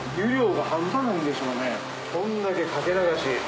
こんだけ掛け流し。